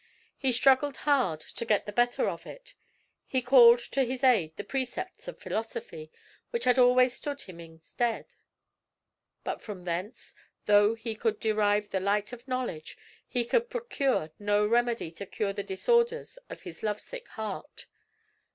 He struggled hard to get the better of it. He called to his aid the precepts of philosophy, which had always stood him in stead; but from thence, though he could derive the light of knowledge, he could procure no remedy to cure the disorders of his lovesick heart.